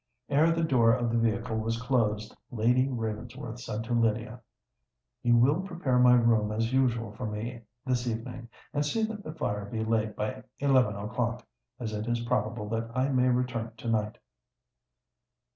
Ere the door of the vehicle was closed, Lady Ravensworth said to Lydia, "You will prepare my room as usual for me this evening—and see that the fire be laid by eleven o'clock—as it is probable that I may return to night."